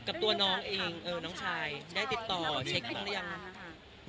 กับตัวน้องเองน้องชายได้ติดต่อเช็คเข้าได้ยังไหมครับ